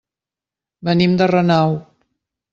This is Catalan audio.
Venim de Renau.